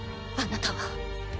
あなたは。